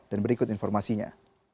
dan berikut informasinya